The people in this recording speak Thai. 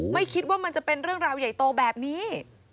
ไม่คิดว่ามันจะเป็นเรื่องราวใหญ่โตแบบนี้